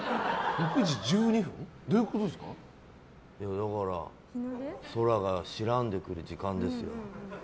だから空が白んでくる時間ですよ。